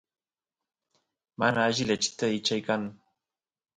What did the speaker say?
mana alli lechit ichay kan